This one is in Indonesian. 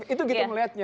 itu gitu melihatnya